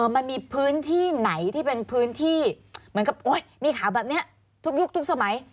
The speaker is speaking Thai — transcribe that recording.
มันมีพื้นที่ไหนที่เป็นพื้นที่เหมือนกับมีข่าวแบบนี้ทุกยุคทุกสมัย